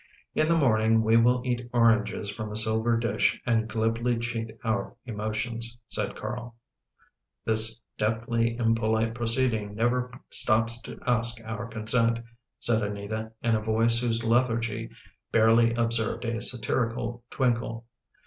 " In the morning we will eat oranges from a silver dish and glibly cheat our emotions," said Carl. "This deftly impolite proceeding never stops to ask our consent," said Anita in a voice whose lethargy barely observed a satirical twinkle.